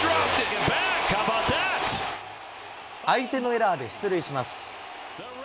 相手のエラーで出塁します。